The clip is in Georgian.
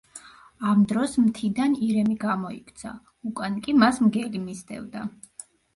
ამ დროს მთიდან ირემი გამოიქცა, უკან კი მას მგელი მისდევდა.